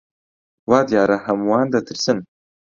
وا دیارە هەمووان دەترسن.